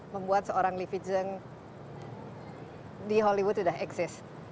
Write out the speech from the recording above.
membuat seorang livie zheng di hollywood sudah exist